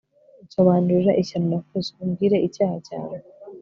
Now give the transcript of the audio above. nsobanurira ishyano nakoze, umbwire icyaha cyanjye